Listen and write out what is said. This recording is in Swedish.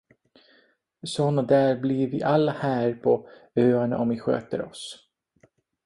Såna där blir vi alla här på öarna om vi sköter oss.